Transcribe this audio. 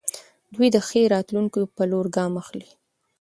دوی د ښې راتلونکې په لور ګام اخلي.